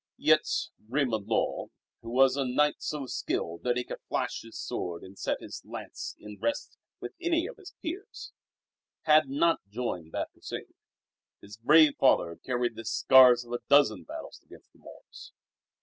Yet Raymund Lull, who was a knight so skilled that he could flash his sword and set his lance in rest with any of his peers, had not joined that Crusade. His brave father carried the scars of a dozen battles against the Moors.